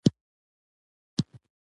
په غرمه کښېنه، لمر تود دی.